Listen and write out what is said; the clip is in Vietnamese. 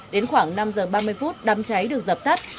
đến khoảng năm giờ ba mươi phút đám cháy được dập tắt